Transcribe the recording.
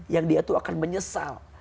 yang dia tuh akan menyesal